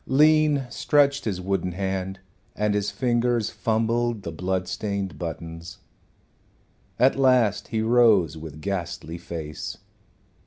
Lean stretched his wooden hand, and his fingers fumbled the blood stained buttons. At last he rose with ghastly face.